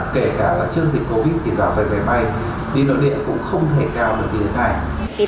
kể cả trước dịch covid thì giá vé máy bay đi nội địa cũng không hề cao được như thế này